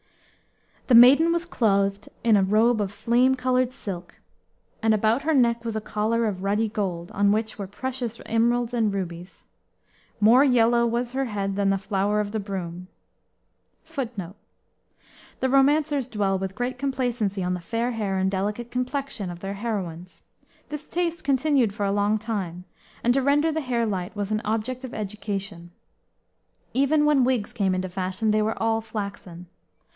The maiden was clothed in a robe of flame colored silk, and about her neck was a collar of ruddy gold, on which were precious emeralds and rubies. More yellow was her head than the flower of the broom, [Footnote: The romancers dwell with great complacency on the fair hair and delicate complexion of their heroines. This taste continued for a long time, and to render the hair light was an object of education. Even when wigs came into fashion they were all flaxen.